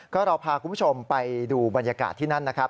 ก็เราพาคุณผู้ชมไปดูบรรยากาศที่นั่นนะครับ